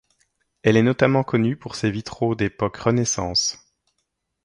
Elle est notamment connue pour ses vitraux d'époque renaissance.